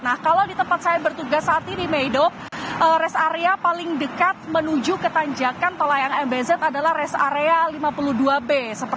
nah kalau di tempat saya bertugas saat ini maydoc rest area paling dekat menuju ke tanjakan tol layang mbz adalah rest area lima puluh dua b